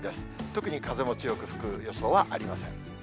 特に風も強く吹く予想はありません。